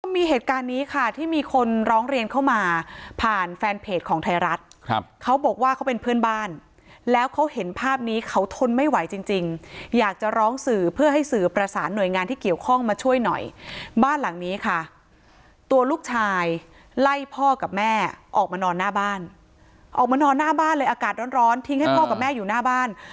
มีเหตุการณ์นี้ค่ะที่มีคนร้องเรียนเข้ามาผ่านแฟนเพจของไทยรัฐครับเขาบอกว่าเขาเป็นเพื่อนบ้านแล้วเขาเห็นภาพนี้เขาทนไม่ไหวจริงจริงอยากจะร้องสื่อเพื่อให้สื่อประสานหน่วยงานที่เกี่ยวข้องมาช่วยหน่อยบ้านหลังนี้ค่ะตัวลูกชายไล่พ่อกับแม่ออกมานอนหน้าบ้านออกมานอนหน้าบ้านเลยอากาศร้อนทิ้งให้พ่อกับแม่อยู่หน้าบ้าน